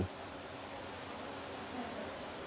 baik berdasarkan informasi yang kami terima